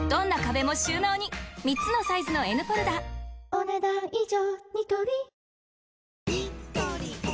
お、ねだん以上。